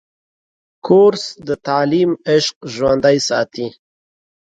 کورس د تعلیم عشق ژوندی ساتي.